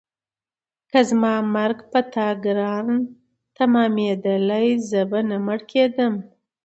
که زما مرګ په تا ګران تمامېدلی زه به نه مړه کېدم.